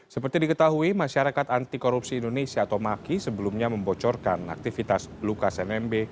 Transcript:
seperti diketahui masyarakat anti korupsi indonesia atau maki sebelumnya membocorkan aktivitas lukas nmb